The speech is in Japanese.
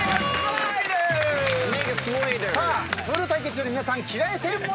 さあプール対決皆さん着替えてもらいました！